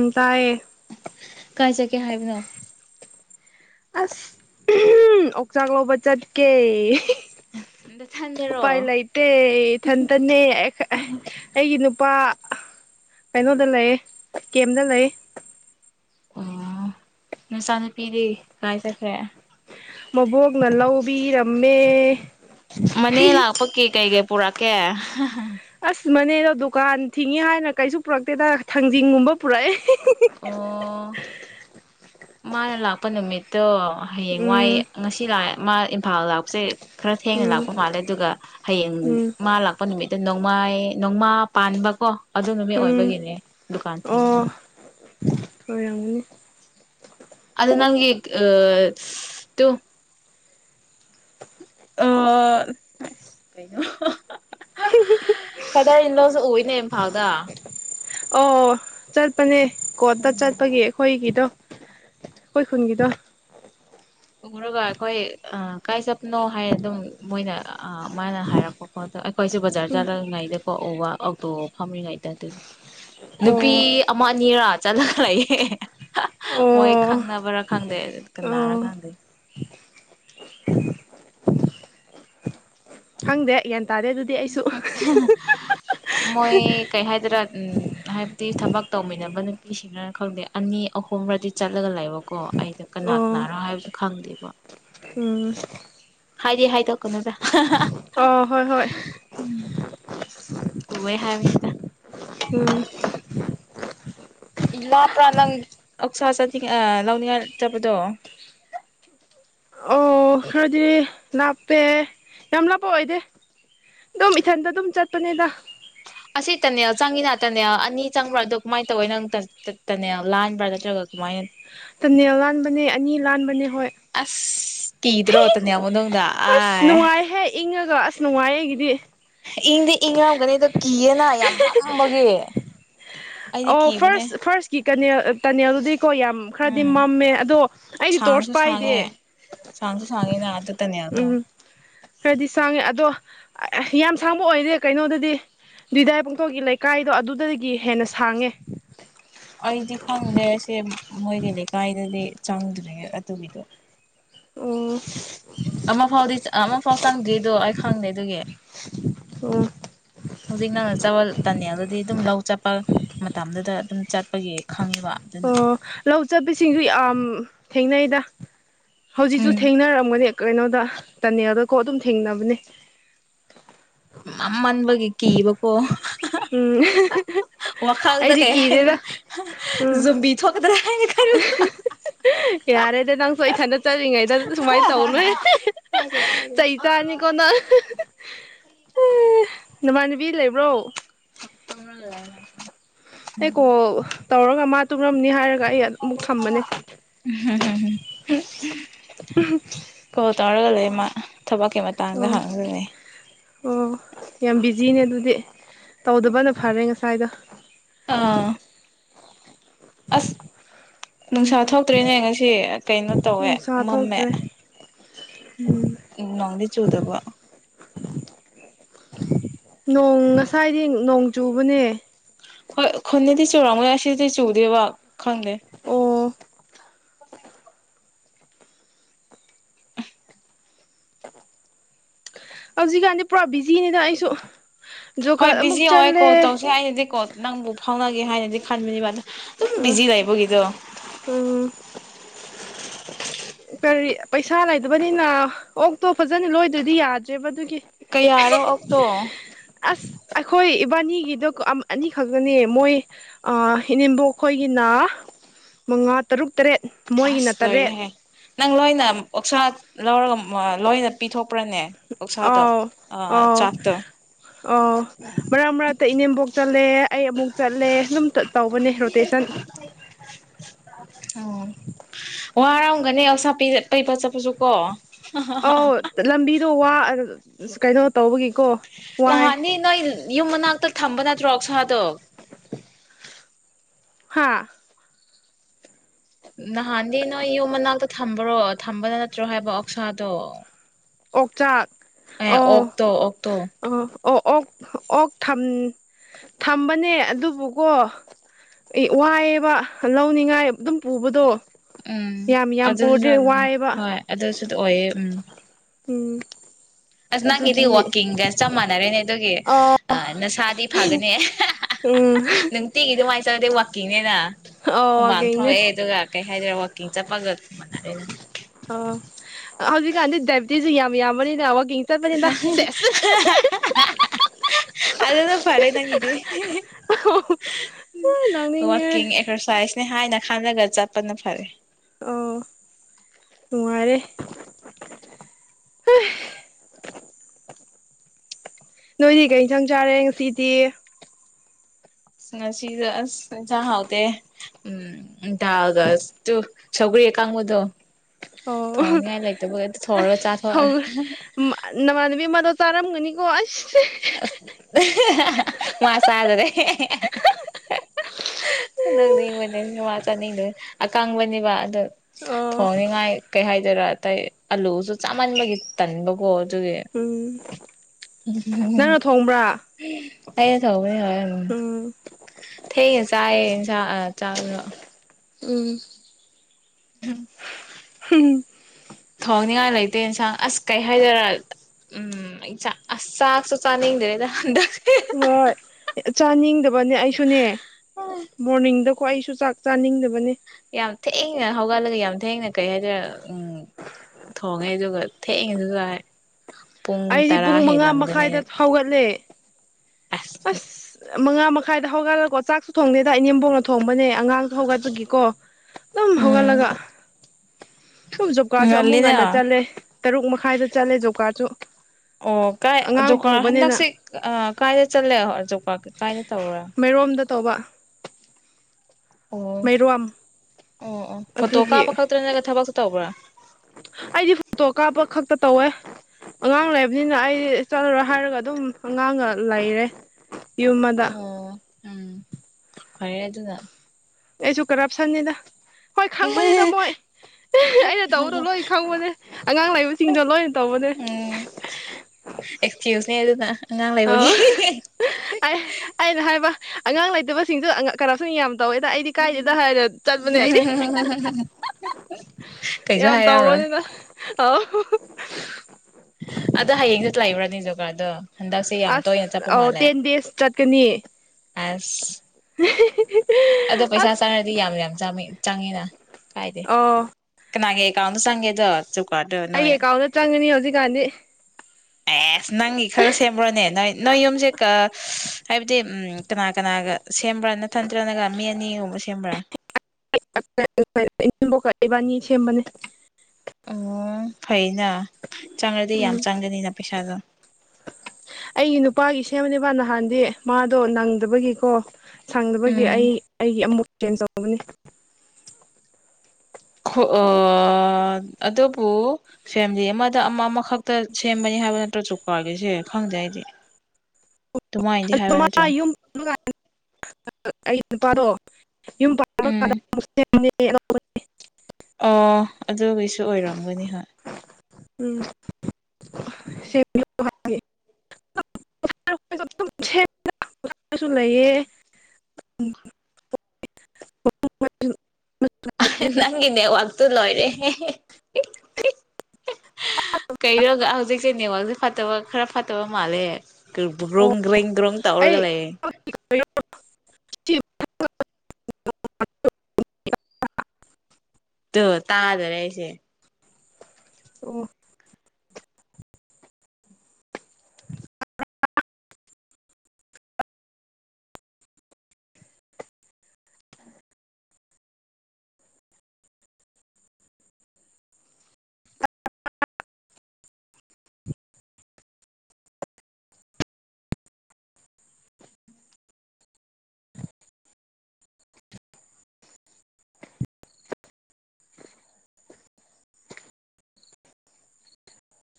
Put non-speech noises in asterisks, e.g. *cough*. ꯎꯝ ꯇꯥꯏꯌꯦ ꯀꯥꯏ ꯆꯒꯦ ꯍꯥꯏꯕꯅꯣ ꯑꯁ ꯎ ꯑꯣꯛꯆꯒ ꯂꯕ ꯆꯠ ꯀꯦ ꯎꯄꯥꯏ ꯅꯊꯟꯗꯔꯣ ꯂꯩꯇꯦ ꯏꯊꯟꯇꯅꯦ ꯑꯩꯒꯤ ꯅꯨꯄꯥ ꯀꯩꯅꯣꯗ ꯂꯩ ꯀꯦꯝꯗ ꯂꯩ ꯑꯣ ꯅꯨꯅꯨꯡꯆꯥ ꯅꯨꯄꯤꯗꯤ ꯀꯥꯏꯖꯈ꯭ꯔꯦ ꯃꯕꯣꯛꯅ ꯂꯧꯕꯤꯔꯝꯃꯦ ꯃꯅꯦ ꯂꯥꯛꯄ ꯀꯦ ꯀꯩ ꯀꯩ ꯄꯨꯔꯛ ꯀꯦꯌꯥ ꯑꯁ ꯃꯅꯦꯗꯣ ꯗꯨꯀꯥꯟ ꯊꯤꯡꯉꯤ ꯍꯥꯏꯅ ꯀꯩꯁꯨ ꯄꯨꯔꯛꯇꯦꯗ ꯊꯥꯡꯖꯤꯡꯒꯨꯝꯕ ꯄꯨꯔꯛꯑꯦ ꯑꯣ ꯃꯥꯅ ꯂꯥꯛꯄ ꯅꯨꯃꯤꯠ ꯠꯇꯣ ꯍꯌꯦꯡ ꯋꯥꯏ ꯎꯝ ꯉꯁꯤ ꯂꯥꯛꯦ ꯃꯥ ꯏꯝꯐꯥꯜ ꯂꯥꯛꯄꯁꯦ ꯈꯔ ꯊꯦꯡꯅ ꯎꯝ ꯂꯥꯛꯄ ꯃꯥꯜꯂꯦ ꯑꯗꯨꯒ ꯍꯌꯦꯡ ꯎꯝ ꯃꯥ ꯂꯥꯛꯄ ꯅꯨꯃꯤꯠꯇ ꯅꯣꯡ ꯅꯣꯡꯃꯥꯏ ꯅꯣꯡꯃꯥ ꯄꯥꯟꯕꯀꯣ ꯑꯗꯨ ꯅꯨꯃꯤꯠ ꯎꯝ ꯑꯣꯏꯕꯒꯤꯅꯦ ꯗꯨꯀꯥꯟ ꯊꯤꯡꯕꯗ ꯑꯣꯏꯔꯝꯅꯤ ꯑꯗ ꯅꯪꯒꯤ ꯑ ꯁ ꯇꯨ ꯑꯣ ꯀꯩꯅꯣ ꯐꯥꯗꯔ ꯏꯟꯂꯣꯁꯨ ꯎꯏꯅꯦ ꯏꯝꯐꯥꯎꯗ ꯃꯅꯤ ꯀꯣꯠꯇ ꯆꯠꯄꯒꯤ ꯑꯩꯈꯣꯏꯒꯤꯗꯣ ꯑꯩꯈꯣꯏ ꯈꯨꯒꯗꯣ ꯎꯔꯒ ꯑꯩꯈꯣꯏ ꯑ ꯀꯥꯏ ꯆꯞꯅꯣ ꯍꯥꯏꯔ ꯑꯗꯨꯝ ꯃꯣꯏꯅ ꯃꯥꯅ ꯍꯥꯏꯔꯛꯄꯀꯣꯠꯇꯣ ꯑꯩꯈꯣꯏꯁꯨꯦ ꯕꯖꯥꯔ ꯎꯝ ꯆꯥꯠꯂꯉꯩꯗ ꯀꯣꯛꯎꯕ ꯑꯣꯥꯎꯇꯣ ꯐꯝꯃꯤꯉꯩꯗꯗꯤ ꯅꯨꯄꯤ ꯑꯣ ꯑꯃ ꯑꯅꯤꯔꯥ ꯆꯂ ꯂꯩꯌꯦ ꯃꯣꯏ ꯑꯣ ꯈꯪꯅꯕꯔꯥ ꯈꯪꯗꯦ ꯀꯅꯥ ꯊꯗ ꯍꯪꯗꯦ ꯌꯦ ꯃꯣꯏ ꯀꯩ ꯍꯗ꯭ꯔꯕꯥ ꯎꯝ ꯍꯥꯏꯕꯗꯤ ꯊꯕꯛ ꯇꯧꯃꯤꯟꯅꯕ ꯅꯨꯄꯤꯁꯤꯡꯅꯅ ꯈꯪꯗꯦ ꯑꯅꯤ ꯑꯍꯨꯝꯔꯗꯤ ꯆꯠꯂꯒ ꯂꯩꯕꯀꯣ ꯑꯩꯗ ꯀꯅꯥ ꯑꯣ ꯀꯅꯥꯅꯣ ꯍꯥꯏꯕꯁꯨ ꯈꯪꯗꯦꯕ ꯋꯥ ꯎꯝ ꯍꯥꯏꯗꯤ ꯍꯥꯏ ꯇꯣꯛꯀꯅ꯭ꯔ ꯑꯣ ꯍꯣꯏ ꯍꯣꯏ ꯍꯣꯏ ꯀꯍꯦ ꯍꯥꯏꯕꯅꯤꯗ ꯎꯝ ꯂꯥꯞꯄ꯭ꯔꯥ ꯅꯪ ꯑꯛꯁꯥ ꯆꯠꯅꯤꯡꯉ ꯂꯧꯅꯤꯡꯉꯥꯏ ꯆꯠꯕꯗꯣ ꯑꯣ ꯈꯔꯗꯤ ꯂꯥꯞꯄꯦ ꯌꯥꯝ ꯂꯥꯞꯄ ꯑꯣꯏꯗꯦ ꯑꯗꯨꯝ ꯏꯊꯟꯗ ꯑꯗꯨꯝ ꯆꯠꯄꯅꯤꯗ ꯑꯁꯤꯇꯅꯦ ꯆꯪꯉꯤ ꯥꯛꯇꯅꯦ ꯑꯅꯤ ꯆꯪꯕ꯭ꯔꯥ ꯑꯗꯣ ꯀꯃꯥꯏꯅ ꯇꯧꯋꯏ ꯅꯪꯅꯦ ꯂꯥꯟꯕ꯭ꯔꯥ ꯅꯠꯇ꯭ꯔꯒ ꯀꯃꯥꯏꯅ ꯇꯟꯅ ꯂꯥꯟꯕꯅꯦ ꯑꯅꯤ ꯂꯥꯟꯕꯅꯦ ꯍꯣꯏ ꯑꯁ ꯀꯤꯗ꯭ꯔꯣꯇꯅꯦ ꯃꯅꯨꯡꯗ ꯑꯁ ꯑꯥꯏ ꯅꯨꯡꯉꯥꯏꯍꯦ ꯏꯪꯉꯒ ꯑꯁ ꯅꯨꯡꯉꯥꯏꯑꯒꯤꯗꯤ ꯏꯪꯗꯤ ꯏꯪꯔꯝꯒꯅꯤ ꯑꯗꯣ ꯀꯤꯌꯦꯅ ꯌꯥꯝ ꯍꯂꯝꯕꯒꯤ ꯑꯣ ꯐꯥꯁ ꯐꯥꯁꯀꯤ ꯀꯅꯤ ꯀꯅꯤꯌꯥꯜꯗꯤ ꯀꯣ ꯌꯥꯝ ꯈꯔꯗꯤ ꯎꯝ ꯃꯝꯃꯦ ꯑꯗꯣ ꯑꯩꯗꯤ ꯁꯥꯡꯁꯨ ꯇꯣꯔꯆ ꯄꯥꯏꯗꯦ ꯇꯅꯦ ꯑꯗꯣ ꯎꯝ ꯈꯔꯗꯤ ꯁꯥꯡꯉꯦ ꯑꯗꯣ ꯌꯥꯝ ꯁꯥꯡꯕ ꯑꯣꯏꯔꯦ ꯀꯩꯅꯣꯗꯗꯤ ꯗꯥꯏ ꯄꯨꯡꯊꯣꯛꯒꯤ ꯂꯩꯀꯥꯏꯗꯣ ꯑꯗꯨꯗꯒꯤ ꯍꯦꯟꯅ ꯁꯥꯡꯉꯦ ꯑꯩꯗꯤ ꯈꯪꯗꯦꯁꯦ ꯑꯣꯏꯣꯏꯒꯦ ꯀꯥꯏꯗ ꯗꯤ ꯆꯥꯡꯗ꯭ꯔꯤꯉ ꯑꯗꯨꯒꯤꯗꯣ ꯑꯣ ꯑꯃ ꯐꯥꯎꯗꯤ ꯑꯃꯐꯥꯎ ꯆꯪꯗ꯭ꯔꯤꯗꯣ ꯑꯩ ꯈꯪꯗꯦ ꯑꯗꯨꯒꯤ ꯑꯣ ꯍꯧꯖꯤꯛ ꯅꯪꯅ ꯆꯄ ꯇꯅꯤ ꯑꯗꯨꯗꯤ ꯑꯗꯨꯝ ꯂꯧ ꯆꯠꯄ ꯃꯇꯝꯗꯨꯗ ꯑꯗꯨꯝ ꯆꯠꯄꯒꯤ ꯈꯪꯉꯦꯕ ꯑꯗꯨ ꯑꯣ ꯂꯥꯎ ꯆꯥꯄꯤꯁꯤꯡꯤꯡꯒꯤ ꯊꯦꯡꯅꯩꯗ ꯍꯧꯖꯤꯛꯁꯨ ꯎꯝ ꯊꯦꯡꯅꯔꯛꯝꯃꯅꯦ ꯀꯩꯅꯣꯗ ꯇꯅꯦꯜꯗꯀꯣ ꯑꯗꯨꯝ ꯊꯦꯡꯅꯕꯅꯦ ꯅꯝꯃꯟꯕꯒ ꯏꯀꯤ ꯏꯕꯀꯣ ꯎꯝ ꯑꯩꯗꯤ ꯀꯩ ꯍꯥꯏꯗ꯭ꯔꯥ ꯀꯤꯔꯦꯗ ꯎꯝ ꯖꯨꯝꯕꯤ ꯊꯣꯛꯀꯗ꯭ꯔꯥ ꯍꯥꯏꯅ ꯈꯟꯕꯗꯣ ꯌꯥꯔꯦꯗ ꯅꯪꯁꯨ ꯏꯊꯟꯗ ꯆꯠꯂꯤꯉꯩꯗ ꯁꯨꯃꯥꯏꯅ ꯇꯧꯅꯨꯍꯦ ꯆꯩ ꯆꯥꯅꯤꯀꯣ ꯅꯪ ꯑꯦ ꯅꯃꯥꯟꯅꯕꯤ ꯂꯩꯕ꯭ꯔꯣ ꯃꯥ ꯑꯩ ꯀꯣꯜ *unintelligible* ꯇꯧꯔꯒ ꯃꯥ ꯇꯨꯝꯃꯝꯅꯤ ꯍꯥꯏꯔ ꯎꯝꯍꯝ ꯀꯣꯜ ꯇꯧꯔꯒ ꯂꯩ ꯃꯥ ꯊꯕꯛꯀꯤ ꯃꯇꯥꯡꯗ ꯑꯣ ꯍꯥꯡꯕꯅꯤ ꯖꯤꯅꯦ ꯑꯗꯨꯗꯤ ꯇꯧꯗꯕꯅ ꯐꯔꯦ ꯉꯁꯤ ꯇꯥꯏꯗ ꯑꯥ ꯑꯁ ꯅꯨꯡꯁꯥ ꯊꯣꯛꯇ꯭ꯔꯦꯅꯦ ꯉꯁꯤ ꯀꯩꯅꯣ ꯇꯧꯋꯦ ꯅꯨꯡꯁꯥ ꯃꯝꯃꯦ ꯊꯣꯛꯇ꯭ꯔꯦ ꯅꯣꯡꯗꯤ ꯆꯨꯗꯕ ꯅꯣꯡ ꯉꯁꯥꯏꯗꯤ ꯅꯣꯡ ꯆꯨꯕꯅꯦ ꯍꯣꯏ ꯈꯨꯟꯗꯗꯤ ꯆꯨꯔꯝꯒꯅꯤ ꯑꯁꯤꯗꯗꯤ ꯆꯨꯗꯦꯕ ꯈꯪꯗꯦ ꯑꯣ *unintelligible* ꯍꯧꯖꯤꯛꯀꯥꯟꯗꯤ ꯄꯨꯔꯥ ꯕꯤꯖꯤꯅꯤꯗ ꯑꯩꯁꯨ ꯖꯣꯕ ꯍꯣꯏ ꯀꯥꯔꯗ ꯑꯃꯨꯛ ꯕꯤꯖꯤ ꯑꯣꯏꯀꯣ ꯆꯠꯂꯦ ꯀꯣꯜ ꯇꯧꯁꯦ ꯍꯥꯏꯅꯗꯤ ꯀꯣꯜ ꯅꯪꯕꯨ ꯐꯥꯎꯅ ꯅꯒꯦ ꯍꯥꯏꯅꯗꯤ ꯈꯟꯕꯅꯤꯕ ꯑꯗꯨꯝ ꯕꯤꯖꯤ ꯂꯩꯕꯒꯤꯗꯣ ꯎꯝ ꯀꯔꯤ ꯄꯩꯁꯥ ꯂꯩꯗꯕꯅꯤꯅ ꯑꯣꯛꯇꯣ ꯐꯖꯟꯅ ꯂꯣꯏꯗꯗꯤ ꯌꯥꯗ꯭ꯔꯦꯕ ꯑꯗꯨꯒꯤ ꯀꯌꯥꯔꯣ ꯑꯣꯛꯇꯣ ꯑꯁ ꯑꯩꯈꯣꯏ ꯏꯕꯥꯅꯤꯒꯤꯗꯣ ꯑꯝ ꯑꯅꯤꯈꯛꯇꯅꯦ ꯃꯣꯏ ꯑꯥ ꯏꯅꯦꯝꯕꯣꯛ ꯈꯣꯏꯒꯤꯅ ꯃꯉꯥ ꯇꯔꯨꯛ ꯇꯔꯦꯠ ꯃꯣꯏꯒꯤꯅ ꯑꯁ ꯇꯔꯦꯠ ꯂꯣꯏꯔꯦꯍꯦ ꯅꯪ ꯂꯣꯏꯅ ꯑꯣꯛꯁꯥ ꯂꯧꯔꯒ ꯃ ꯂꯣꯏꯅ ꯄꯤꯊꯣꯛ ꯑꯥꯎ ꯑꯥꯎ ꯆꯥꯛꯇꯣ ꯑꯥꯎ ꯃꯔꯛ ꯃꯔꯛꯇ ꯏꯅꯦꯝꯕꯣꯛ ꯆꯠꯂꯦ ꯑꯩ ꯑꯃꯨꯛ ꯆꯠꯂꯦ ꯑꯗꯨꯝ ꯇꯧꯕꯅꯦ ꯔꯣꯇꯦꯁꯟ ꯎꯝ ꯋꯥꯔꯝꯒꯅꯤ ꯑꯣꯛꯁꯥ ꯄꯤ ꯄꯤꯕ ꯆꯠꯄꯁꯨ ꯀꯣ ꯑꯧ ꯂꯝꯕꯤꯗꯣ ꯋꯥ ꯑꯁ ꯀꯩꯅꯣ ꯇꯧꯕꯒꯤ ꯅꯍꯟꯗꯤ ꯅꯣꯏ ꯌꯨꯝ ꯃꯅꯥꯛꯇ ꯊꯝꯕ ꯅꯨꯠꯇꯔꯣ ꯑꯣꯀꯁꯥ ꯇꯣ ꯍꯥꯥ ꯅꯍꯥꯟꯗꯤ ꯅꯣꯏ ꯌꯨꯝ ꯃꯅꯥꯛꯇ ꯊꯝꯕ꯭ꯔꯣ ꯊꯝꯕꯗ ꯅꯠꯇ꯭ꯔꯣ ꯍꯥꯏꯕ ꯑꯣꯛꯁꯥꯗꯣ ꯑꯣꯛꯆꯥꯛ ꯑꯦ ꯑꯣ ꯑꯣꯛꯇꯣ ꯑꯣꯛꯇꯣ ꯑꯣ ꯑꯣ ꯑꯣꯛ ꯑꯣꯛ ꯊꯝ ꯊꯝꯕꯅꯦ ꯑꯗꯨꯕꯨꯀꯣ ꯏ ꯋꯥꯏꯌꯦꯕ ꯂꯧꯅꯤꯉꯥꯏ ꯑꯗꯨꯝ ꯄꯨꯕꯗꯣ ꯎꯝ ꯌꯥꯝ ꯌꯥꯝ ꯑꯗꯨꯁꯨ ꯄꯨꯔꯗꯤ ꯑꯗꯨꯝ ꯋꯥꯏꯑꯦꯕ ꯍꯣꯏ ꯑꯗꯨꯁꯨ ꯑꯣꯏꯌꯦ ꯎꯝ ꯎꯝ ꯑꯁ ꯅꯪ ꯏꯗꯤ ꯑꯗꯨꯒꯤ ꯋꯥꯀꯤꯡꯒ ꯆꯞ ꯃꯅꯔꯦꯅꯦ ꯑꯗꯨ ꯑꯗꯨꯒꯤ ꯅꯁꯥꯗꯤ ꯐꯒꯅꯦ ꯎꯝ ꯅꯨꯡꯇꯤꯒꯤ ꯗꯨꯃꯥꯏ ꯆꯠꯂꯗꯤ ꯋꯥꯀꯤꯡꯅꯦꯅ ꯑ ꯑꯣ *unintelligible* ꯍꯥꯏꯗꯔꯦ ꯋꯥꯀꯤꯡ ꯆꯠꯄꯒ *unintelligible* ꯑꯣ ꯍꯧꯖꯤꯛꯀꯥꯟꯗꯤ ꯗꯥꯏꯕꯤꯇꯤꯁ ꯌꯥꯝ ꯌꯥꯝꯕꯅꯤꯅ ꯋꯥꯛꯀꯤꯡ *unintelligible* ꯆꯠꯄꯅꯤꯗ ꯁꯦꯁ ꯑꯗꯖꯅ ꯐꯔꯦ ꯅꯪꯒꯤꯗꯤ ꯋꯥꯀꯤꯡ ꯅꯣꯛꯅꯤꯡꯉꯦ ꯑꯦꯛꯁꫪꯁꯥꯏꯁ ꯅꯦ ꯍꯥꯏꯅ ꯈꯥꯟꯂꯒ ꯆꯠꯄꯅ ꯐꯔꯦ ꯑꯣ ꯅꯨꯡꯉꯥꯏꯔꯦ ꯅꯣꯏꯗꯤ ꯀꯩ ꯏꯟꯁꯥꯡ ꯆꯥꯔꯦ ꯉꯁꯤꯗꯤ ꯉꯁꯤꯁꯦ ꯑꯁ ꯏꯟꯁꯥꯡ ꯍꯥꯎꯇꯦ ꯎꯝ ꯗꯥꯜꯒ ꯇꯨ ꯁꯒ꯭ꯔꯤ ꯑꯀꯪꯕꯗꯎ ꯑꯣ ꯑꫭ ꯆꯥꯊꯣꯛꯑꯦ *unintelligible* ꯅꯃꯥꯟꯕꯤ ꯑꯃꯗꫭ ꯆꯥꯔꯝꯒꯅꯤꯀꯣ ꯑꯁ ꯑꯁ *unintelligible* ꯃꯥ ꯆꯥꯗꯔꯦ ꯅꫭꯛꯅꯤꯡꯕꯅꯦ ꯃꯥ ꯆꯥꯅꯤꯡꯗ꯭ꯔꯦ ꯑꯀꯥꯡꯕꯅꯦꯕ ꯑꯗꯨ ꯑꯣ ꯊꯣꯡꯅꯤꯉꯥꯏ ꯀꯩ ꯍꯥꯏꯗꯣꯏꯔ ꯑꯂꯨꯁꯨ ꯆꯥꯃꯟꯕꯒꯤ ꯇꯟꯕꯀꫭ ꯎꯝ *unintelligible* ꯅꯪꯅ ꯊꯣꯡꯕ꯭ꯔꯥ ꯑꯩꯅ ꯊꫭꯡ ꯍꯣꯏ ꯎꯝ ꯊꯦꯡꯅ ꯆꯥꯏꯌꯦ ꯆꯥꯛ *unintelligible* ꯎꯝ ꯊꯣꯡꯅꯤꯉꯥꯏ ꯂꯩ ꯇꯦ ꯌꯦꯟꯁꯥꯡ ꯑꯁ ꯀꯩ ꯍꯥꯏꯗꯔ ꯎꯝ ꯑꯩ ꯆꯥꯛ ꯑꯁ ꯆꯥꯛꯁꯨ ꯆꯥꯅꯤꯡꯗ꯭ꯔꯦꯗ ꯍꯟꯗꯛ ꯍꯣꯏ ꯆꯥꯅꯤꯡꯗꯕꯅꯦ ꯑꯩꯁꯨꯅꯦ ꯃꯣꯔꯅꯤꯡꯗ ꯀꯣ ꯑꯩꯁꯨ ꯆꯥꯛ ꯆꯥꯅꯤꯡꯗꯕꯅꯤ ꯌꯥꯝ ꯊꯦꯡꯅ ꯍꯧꯒꯠꯂꯒ ꯌꯥꯝ ꯊꯦꯡꯅ ꯀꯩ ꯍꯥꯏꯗꯣꯏꯅꯣ ꯎꯝ ꯊꯣꯡꯉꯦ ꯑꯗꯨꯒ ꯊꯦꯛꯅꯁꯨ ꯆꯔꯦ ꯑꯩꯗꯤ ꯄꯨꯡ ꯃꯉꯥ ꯃꯈꯥꯏꯗ ꯐꯥꯎꯒꯠꯂꯦ ꯑꯁ ꯃꯉꯥ ꯃꯈꯥ ꯈꯥꯏꯗ ꯍꯧꯒꯠꯂꯀꯣ ꯆꯥꯛꯁꯨ ꯊꯣꯡꯗꯦꯗ ꯏꯅꯦꯝꯕꯣꯡꯅ ꯊꯣꯡꯕꯅꯦ ꯑꯉꯥꯡ ꯍꯧꯒꯠꯄꯒꯤꯀꯣ ꯑꯗꯨꯝ ꯎꯝ ꯍꯧꯒꯠꯂꯒ ꯗꯨꯝ ꯖꯣꯞꯀꯥꯔꯠꯁꯨ ꯑꯃꯨꯛ ꯉꯟꯅ ꯉꯜꯂꯤꯅ ꯆꯠꯂꯦ ꯇꯔꯨꯛ ꯃꯈꯥꯏꯗ ꯆꯠꯂꯦ ꯖꯣꯞꯀꯥꯔꯠꯁꯨ ꯑꯣ ꯀꯥꯏ ꯖꯣꯕꯀꯔ ꯍꯟꯗꯛꯁꯤ ꯀꯥꯏꯗ ꯆꯠꯂꯦ ꯀꯥꯏꯗ ꯇꯧꯕꯔ ꯃꯩꯔꯣꯝꯗ ꯇꯧꯕ ꯑꯣ ꯃꯩꯔꯣꯝ ꯑꯣ ꯑꯣ ꯐꯣꯇꯣ ꯑꯗꯨꯒꯤ ꯀꯥꯞꯄ ꯈꯛꯇ꯭ꯔꯅꯒ ꯊꯕꯛꯁꯨ ꯇꯧꯕ꯭ꯔꯥ ꯑꯩꯗꯤ ꯐꯣꯇꯣ ꯀꯥꯞꯄ ꯈꯛꯇ ꯇꯧꯋꯦ ꯑꯉꯥꯡ ꯂꯩꯕꯅꯤꯅ ꯑꯩꯗꯤ ꯆꯠꯂꯔꯣꯏ ꯍꯥꯏꯔꯒ ꯑꯗꯨꯝ ꯑꯉꯥꯡꯅ ꯂꯩꯔꯦ ꯌꯨꯝꯃꯥꯗ ꯄ ꯑꯗꯨꯅ ꯑꯩꯁꯨ ꯀꯔꯞꯁꯟꯅꯤꯗ ꯍꯣꯏ ꯈꯪꯕꯅꯤꯗ ꯃꯣꯏ ꯑꯩꯅ ꯇꯧꯕꯗꯣ ꯂꯣꯏ ꯈꯪꯕꯅꯦ ꯑꯉꯥꯡ ꯂꯩꯕꯁꯤꯡꯗꯣ ꯂꯣꯏ ꯎꯝ ꯑꯦꯀꯁ꯭ꯀꯤꯌꯨꯁ ꯑꯗꯨꯅ ꯑꯉꯥꯡ ꯂꯩꯕꯒꯤ ꯑꯩꯅꯥ ꯍꯥꯏꯕ ꯑꯉꯥꯡ ꯂꯩꯇꯕꯁꯤꯡꯗꯣ ꯀꯔꯥꯞꯁꯟ ꯌꯥꯝ ꯇꯧꯋꯦꯗ ꯑꯩꯗꯤ ꯀꯥꯏꯗꯦꯗ ꯍꯥꯏꯔ ꯆꯠꯄꯅꯦ ꯑꯩꯗꯤ ꯀꯩꯁꯨ ꯌꯥꯝ ꯍꯥꯏꯔꯝꯔꯣꯏ ꯇꯧꯕꯅꯤꯅ ꯍꯥꯎ ꯑꯗ ꯍꯌꯦꯡ ꯂꯩꯕꯔꯥꯅꯦ ꯖꯣꯕꯀꯥꯔꯗꯣ ꯍꯟꯗꯛꯁꯦ ꯌꯥꯝ ꯇꯣꯏꯅ ꯑꯁ ꯆꯠꯄ ꯑ ꯃꯥꯜꯂꯦ ꯇꯦꯟ ꯗꯦꯖ ꯆꯠꯀꯅꯤ ꯑꯁ ꯑꯗꯣ ꯄꯩꯁꯥ ꯑꯁ ꯆꯪꯔꯗꯤ ꯌꯥꯝ ꯌꯥꯝ ꯆꯪꯉꯤꯅ ꯀꯥꯏꯗꯦ ꯑꯣ ꯀꯅꯥꯒꯤ ꯀꯥꯎꯗ ꯆꯪꯒꯦꯗꯣ ꯀꯥꯔꯗꯣ ꯑꯩꯒꯤ ꯅꯣꯏ ꯑꯦꯀꯥꯎꯟꯗ ꯆꯪꯉꯅꯤ ꯍꯧ ꯀꯥꯟꯗꯤ ꯑꯦꯁ ꯅꯪꯒꯤ ꯈꯔ ꯁꯦꯝꯕ꯭ꯔꯣꯅꯦ ꯅꯣꯏ ꯅꯣꯏ ꯌꯨꯝꯁꯦ ꯍꯥꯏꯕꯗꯤ ꯎꯝ ꯀꯅꯥ ꯀꯅꯥꯒ ꯁꯦꯝꯕ꯭ꯔꯥ ꯅ ꯊꯟꯇ꯭ꯔꯅꯒ ꯃꯤ ꯑꯅꯤꯒꯨꯝꯕ ꯁꯦꯝꯕ꯭ꯔꯥ ꯁꯦꯝꯕꯅꯤ ꯎꯝ ꯐꯩꯅ ꯆꯉꯥꯗꯤ ꯌꯥꯝ ꯎꯝ ꯆꯉꯥꯅꯤꯗ ꯄꯩꯁꯥꯗ ꯍꯦꯃꯨꯅꯤꯕꯥꯟ ꯅꯍꯥꯟꯗꯤ ꯃꯥꯗꯣ ꯅꯡꯗꯕꯒꯤꯀꯣ ꯁꯡꯗꯕꯒꯤ ꯑꯩ ꯎꯝ ꯑꯩꯒꯤ ꯑꯃꯨꯛ ꯀꯦꯟ ꯆꯥꯑꯣ ꯕꯅꯤ ꯈꯨ ꯑꯥ ꯑꯗꯨꯕꯨ ꯐꯦꯃꯤꯂꯤ ꯑꯃꯗ ꯑꯃ ꯑꯃꯈꯛꯇ ꯁꯦꯝꯕꯅꯤ ꯍꯥꯏꯕ ꯅꯠꯇ꯭ꯔꯣ ꯆꯨꯀꯥꯒꯤꯁꯦ ꯈꯪꯗꯦ ꯑꯩꯗꯤ ꯑꯗꯨꯃꯥꯏꯅꯗꯤ ꯑꯗꯨ ꯍꯥꯏꯕ ꯃꯥ ꯅꯠꯇ꯭ꯔꯣ ꯌꯨꯝ *unintelligible* ꯅꯨꯄꯥꯗꯣ ꯌꯨꯝ ꯄꯥꯅꯕꯥ ꯀꯅ ꯎꯝ ꯗ ꯃꯨꯁ ꯑꯦ *inaudible* ꯑꯣ ꯑꯗꯨꯒꯤꯁꯨ ꯑꯣꯏꯔꯝꯒꯅꯤ ꯍꯣꯏ ꯁꯤ ꯔ *unintelligible* ꯂꯩꯑ ꯅꯒꯤ ꯋꯥꯥꯛꯇꯨ ꯂꯣꯏꯔꯦ *inaudible* ꯀꯩꯅꯣꯒ ꯍꯧꯖꯤꯛꯁꯦ ꯅꯦꯋꯥꯛꯁꯦ ꯐꯠꯇꯕ ꯈꯔꯥ ꯐꯇꯕ ꯃꯥꯂꯦ ꯀꯩ ꯗꯥ ꯔꯣꯡ ꯔꯦꯡ ꯔꯣꯡ ꯇꯧꯔꯒ ꯑꯩ ꯂꯩꯦ *inaudible* ꯇ ꯇꯥꯗꯔꯦꯁꯦ ꯑꯣ